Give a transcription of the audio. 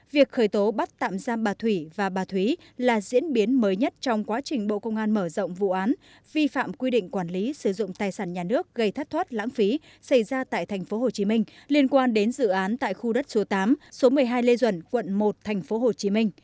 việc khởi tố bắt tạm giam bà thủy và bà thúy là diễn biến mới nhất trong quá trình bộ công an mở rộng vụ án vi phạm quy định quản lý sử dụng tài sản nhà nước gây thất thoát lãng phí xảy ra tại tp hcm liên quan đến dự án tại khu đất số tám số một mươi hai lê duẩn quận một tp hcm